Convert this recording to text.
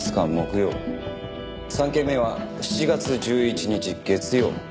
３件目は７月１１日月曜。